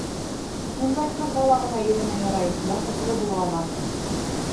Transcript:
Шундай ҡыҙ бала ғына иренә ярай, бәхетле була ала...